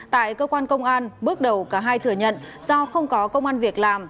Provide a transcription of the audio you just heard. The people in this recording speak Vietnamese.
tại cơ quan công an bước đầu cả hai thừa nhận do không có công an việc làm